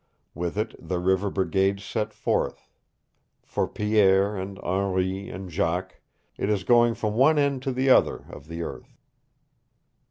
With it the river brigades set forth. For Pierre and Henri and Jacques it is going from one end to the other of the earth.